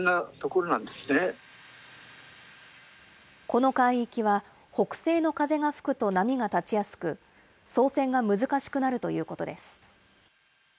この海域は、北西の風が吹くと波が立ちやすく、操船が難しくなるということです。